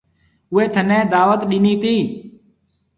اُوئي ٿَني دعوت ڏنِي تي۔